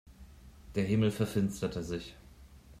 Der Himmel verfinsterte sich.